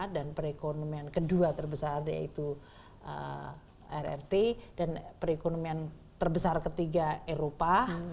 dan perekonomian kedua terbesar yaitu rrt dan perekonomian terbesar ketiga eropa